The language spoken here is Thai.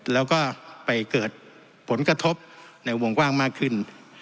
แล้วก็ไปเกิดผลกระทบในวงกว้างมากขึ้น